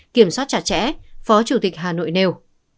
kiểm soát chặt chẽ phó chủ tịch hà nội nêu